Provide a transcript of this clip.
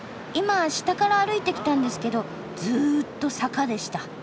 今下から歩いてきたんですけどずっと坂でした。